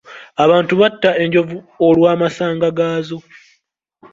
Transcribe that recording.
Abantu batta enjovu olw'amasanga gaazo.